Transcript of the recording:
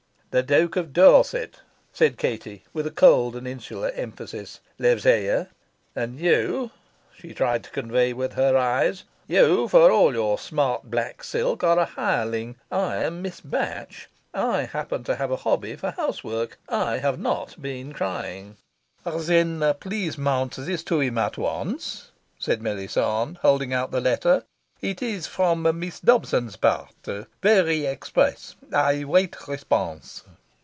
"The Duke of Dorset," said Katie with a cold and insular emphasis, "lives here." And "You," she tried to convey with her eyes, "you, for all your smart black silk, are a hireling. I am Miss Batch. I happen to have a hobby for housework. I have not been crying." "Then please mount this to him at once," said Melisande, holding out the letter. "It is from Miss Dobson's part. Very express. I wait response."